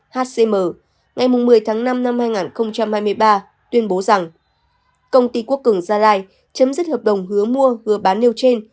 hcm ngày một mươi tháng năm năm hai nghìn hai mươi ba tuyên bố rằng công ty quốc cường gia lai chấm dứt hợp đồng hứa mua hứa bán nêu trên